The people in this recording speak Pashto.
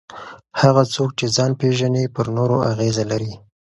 هغه څوک چې ځان پېژني پر نورو اغېزه لري.